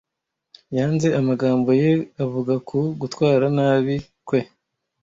Yanze amagambo ye avuga ku gutwara nabi kwe.